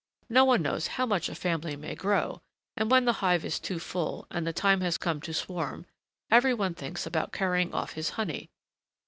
No one knows how much a family may grow, and when the hive is too full and the time has come to swarm, every one thinks about carrying off his honey.